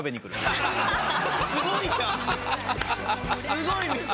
すごい店！